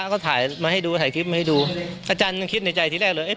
ก็ถ่ายมาให้ดูถ่ายคลิปมาให้ดูอาจารย์ยังคิดในใจที่แรกเลย